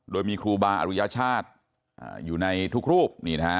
โดยมีครูบาอรุยชาติอยู่ในทุกรูป